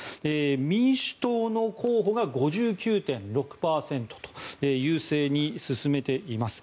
民主党の候補が５９．６％と優勢に進めています。